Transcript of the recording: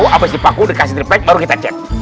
habis dipaku dikasih tripek baru kita cek